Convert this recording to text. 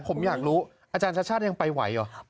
ผมอยากรู้อาจารย์ชาติชาติยังไปไหวเหรอ